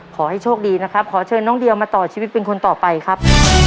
ขอให้โชคดีนะครับขอเชิญน้องเดียวมาต่อชีวิตเป็นคนต่อไปครับ